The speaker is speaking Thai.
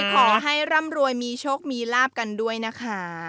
ขอให้ร่ำรวยมีโชคมีลาบกันด้วยนะคะ